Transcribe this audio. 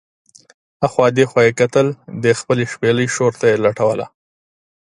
اخوا دې خوا یې کتل، د خپلې شپېلۍ شور ته یې لټوله.